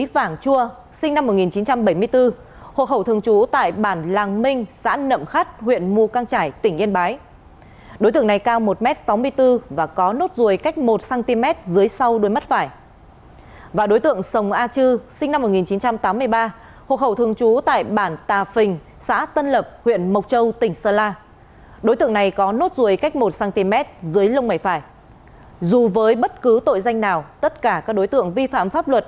phần cuối là những thông tin về trường hợp